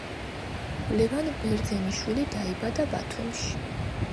ლევან ბერძენიშვილი დაიბადა ბათუმში.